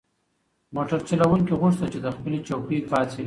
موټر چلونکي غوښتل چې له خپلې چوکۍ پاڅیږي.